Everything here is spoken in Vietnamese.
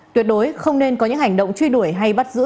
tuyệt đối không nên có những hành động truy đuổi hay bắt giữ